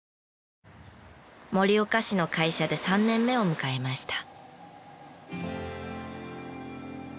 盛岡市の会社で３年目を迎えました。